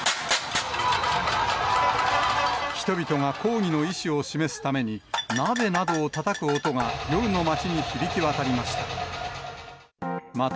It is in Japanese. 人々が抗議の意思を示すために、鍋などをたたく音が夜の街に響き渡りました。